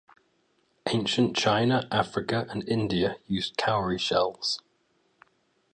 Ancient China, Africa, and India used cowry shells.